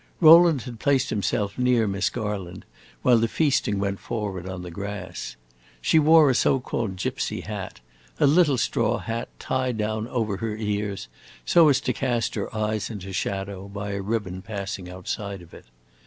Rowland had placed himself near Miss Garland, while the feasting went forward on the grass. She wore a so called gypsy hat a little straw hat, tied down over her ears, so as to cast her eyes into shadow, by a ribbon passing outside of it.